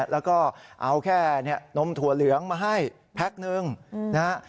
แล้วก็เอาแค่นมถั่วเหลืองมาให้แพ็คนึงนะฮะ